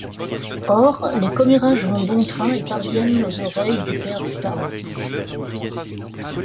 Or, les commérages vont bon train et parviennent aux oreilles du père Stahov.